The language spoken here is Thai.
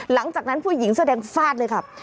หลังจากนั้นผู้หญิงเสื้อแดงฟาดเลยค่ะ